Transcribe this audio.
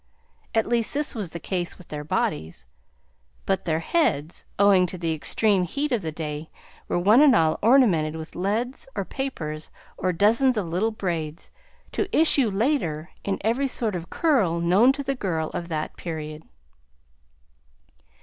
At least, this was the case with their bodies; but their heads, owing to the extreme heat of the day, were one and all ornamented with leads, or papers, or dozens of little braids, to issue later in every sort of curl known to the girl of that period.